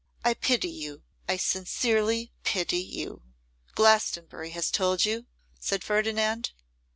I pity you, I sincerely pity you.' 'Glastonbury has told you?' said Ferdinand.